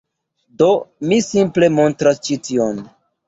Do, mi simple montras ĉi tion